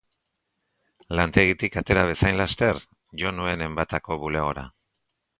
Lantegitik atera bezain laster, jo nuen Enbatako bulegora.